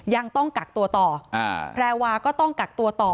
ยังต้องกักตัวต่อแพรวาก็ต้องกักตัวต่อ